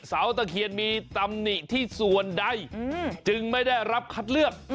ตะเคียนมีตำหนิที่ส่วนใดจึงไม่ได้รับคัดเลือก